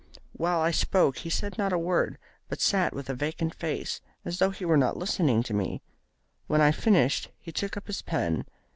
While I spoke he said not a word, but sat with a vacant face, as though he were not listening to me. When I had finished he took up his pen.